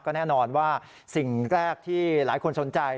ก็แน่นอนว่าสิ่งแรกที่หลายคนสนใจ